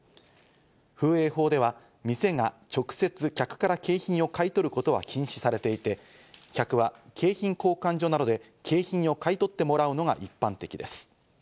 風営法では店が直接、客から景品を買い取ることは禁止されていて、客は景品交換所などで景品を買い取ってもらうのが一般的です。